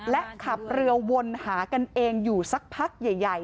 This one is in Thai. และขับเรือวนหากันเองอยู่สักพักใหญ่